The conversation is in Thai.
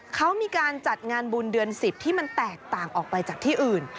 เขามีการจัดงานบุญเดือน๑๐ที่มันแตกต่างออกไปจากที่อื่น